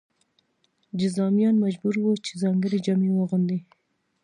جذامیان مجبور وو چې ځانګړې جامې واغوندي.